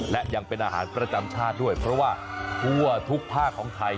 และยังเป็นอาหารประจำชาติด้วยเพราะว่าทั่วทุกภาคของไทย